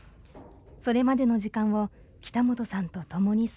それまでの時間を北本さんと共に過ごした。